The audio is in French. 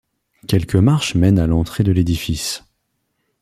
Quelques marches mènent à l'entrée de l'édifice.